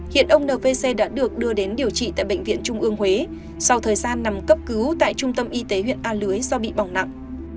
hiện ông nvc đã được đưa đến điều trị tại bệnh viện trung ương huế sau thời gian nằm cấp cứu tại trung tâm y tế huyện a lưới do bị bỏng nặng